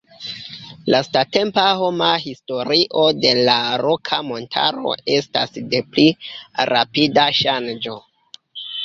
Lastatempa homa historio de la Roka Montaro estas de pli rapida ŝanĝo.